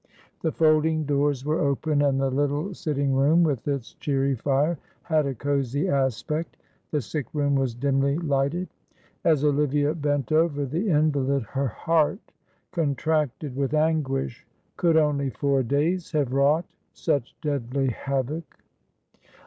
The folding doors were open, and the little sitting room, with its cheery fire, had a cosy aspect, the sick room was dimly lighted. As Olivia bent over the invalid her heart contracted with anguish. Could only four days have wrought such deadly havoc?